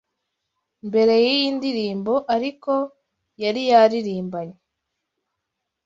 Mbere y’iyi ndirimbo ariko yari yaririmbanye